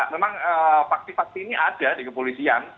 memang fakti fakti ini ada di kepulisian